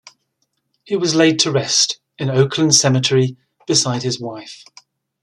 He was laid to rest in Oakland Cemetery, beside his wife.